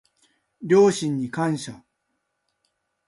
両親に感謝